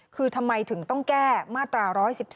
คือทำไมถึงต้องแก้มาตรา๑๑๒